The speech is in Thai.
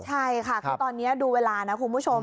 ใช่ค่ะคือตอนนี้ดูเวลานะคุณผู้ชม